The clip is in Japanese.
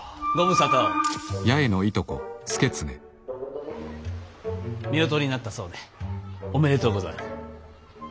夫婦になったそうでおめでとうござる。